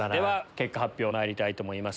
結果発表まいりたいと思います